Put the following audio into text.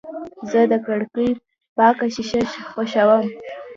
زه د کړکۍ پاکه شیشه خوښوم.